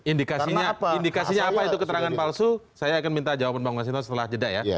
indikasinya indikasinya apa itu keterangan palsu saya akan minta jawaban bang masinto setelah jeda ya